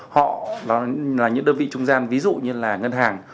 họ là những đơn vị trung gian ví dụ như là ngân hàng